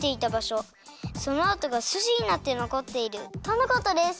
そのあとがすじになってのこっているとのことです！